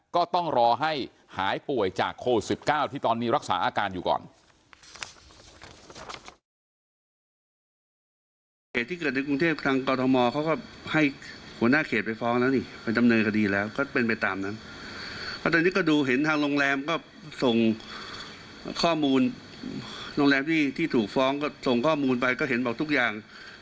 ก็ต้องรอให้หายป่วยจากโควิด๑๙ที่ตอนนี้รักษาอาการอยู่ก่อน